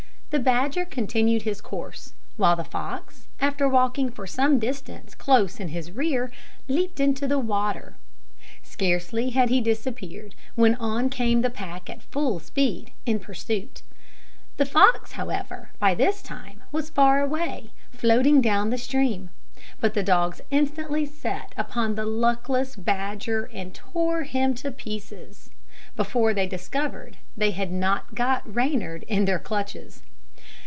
The badger continued his course, while the fox, after walking for some distance close in his rear, leaped into the water. Scarcely had he disappeared, when on came the pack at full speed, in pursuit. The fox, however, by this time was far away, floating down the stream; but the dogs instantly set upon the luckless badger and tore him to pieces, before they discovered that they had not got Reynard in their clutches.